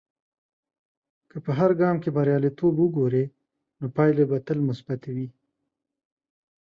که په هر ګام کې بریالیتوب وګورې، نو پایلې به تل مثبتي وي.